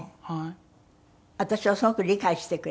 私をすごく理解してくれてました。